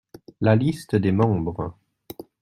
La liste des membres.